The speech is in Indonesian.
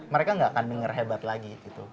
mereka gak akan denger hebat lagi gitu